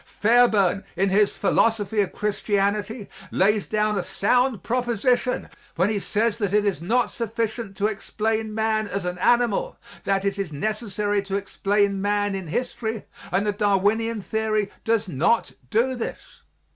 Fairbairn, in his "Philosophy of Christianity," lays down a sound proposition when he says that it is not sufficient to explain man as an animal; that it is necessary to explain man in history and the Darwinian theory does not do this.